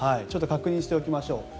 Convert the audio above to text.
ちょっと確認しておきましょう。